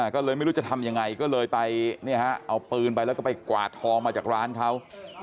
ก็เลยไม่รู้จะทำยังไงก็เลยไปเอาปืนไปแล้วก็ไปกวาดทองมาจากร้านเขา